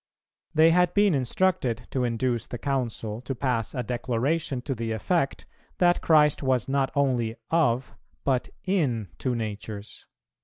They had been instructed to induce the Council to pass a declaration to the effect, that Christ was not only "of," but "in" two natures.